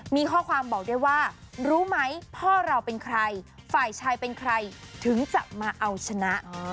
มีข้อความบอกได้ว่ารู้ไหมพ่อเราเป็นใครฝ่ายชายเป็นใครถึงจะมาเอาชนะ